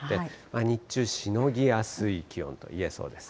日中しのぎやすい気温といえそうです。